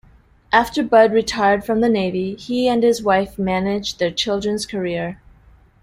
After Bud retired from the Navy, he and his wife managed their children's career.